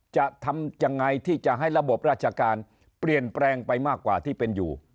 จะทำยังไงที่จะให้ระบบราชการเปลี่ยนแปลงไปมากกว่าที่เป็นอยู่